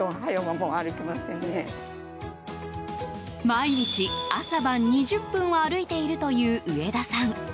毎日、朝晩２０分は歩いているという上田さん。